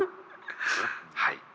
はい。